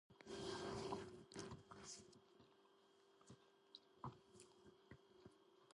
უმაღლესი განათლების მიღება სანჯუს უნივერსიტეტშია შესაძლებელი, რომელიც აგრონომიული სფეროს მიმართულებისაა.